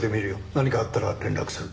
何かあったら連絡する。